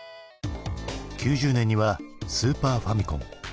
９０年にはスーパーファミコン。